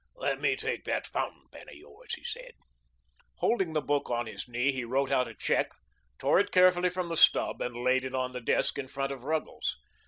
"Let me take that fountain pen of yours," he said. Holding the book on his knee he wrote out a check, tore it carefully from the stub, and laid it on the desk in front of Ruggles.